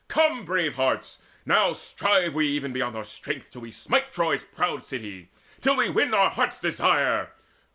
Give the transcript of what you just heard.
Come, Brave hearts, now strive we even beyond our strength Till we smite Troy's proud city, till we win Our hearts' desire!